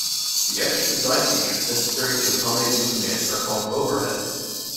The extra design features necessary to accommodate these demands are called overhead.